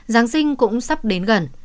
giáng sinh cũng sắp đến gần